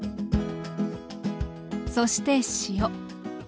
そして塩。